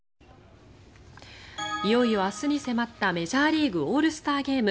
いよいよ明日に迫ったメジャーリーグオールスターゲーム。